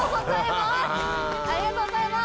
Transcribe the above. ありがとうございます！